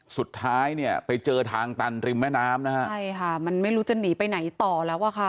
สุดท้ายเนี่ยไปเจอทางตันริมแม่น้ำนะฮะใช่ค่ะมันไม่รู้จะหนีไปไหนต่อแล้วอ่ะค่ะ